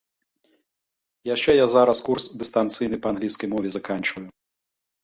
Яшчэ я зараз курс дыстанцыйны па англійскай мове заканчваю.